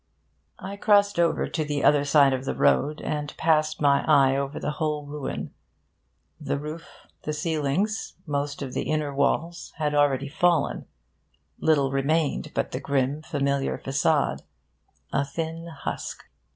I crossed over to the other side of the road, and passed my eye over the whole ruin. The roof, the ceilings, most of the inner walls, had already fallen. Little remained but the grim, familiar facade a thin husk.